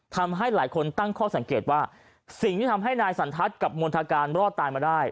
ทำให้หลายคนตั้งข้อสังเกตว่าสิ่งที่ทำให้นายสันทัศน์กับมณฑการรอดตายมาได้